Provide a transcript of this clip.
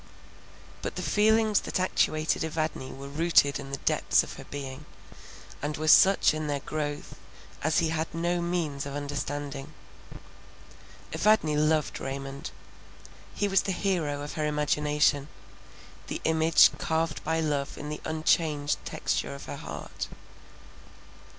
But the feelings that actuated Evadne were rooted in the depths of her being, and were such in their growth as he had no means of understanding. Evadne loved Raymond. He was the hero of her imagination, the image carved by love in the unchanged texture of her heart.